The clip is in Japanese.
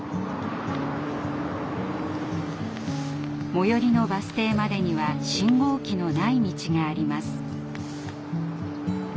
最寄りのバス停までには信号機のない道があります。